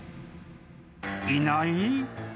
［いない？］